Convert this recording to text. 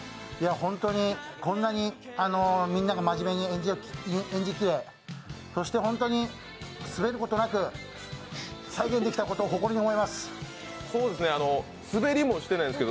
本当に、こんなにみんなが真面目に演じきれそして本当にスベることなく再現できたことを誇りに思います。